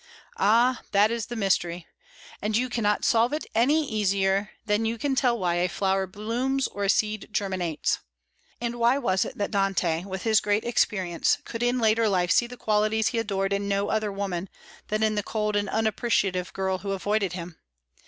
Ah, that is the mystery! And you cannot solve it any easier than you can tell why a flower blooms or a seed germinates. And why was it that Dante, with his great experience, could in later life see the qualities he adored in no other woman than in the cold and unappreciative girl who avoided him?